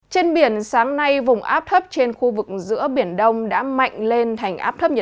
trên biển sáng nay vùng áp thấp trên khu vực giữa biển đông đã mạnh lên